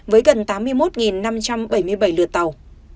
với gần tám mươi một năm trăm bảy mươi bảy lượt tàu